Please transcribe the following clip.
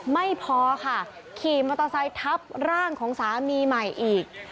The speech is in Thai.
ไม่พอค่ะขี่มอเตอร์ไซค์ทับร่างของสามีใหม่อีก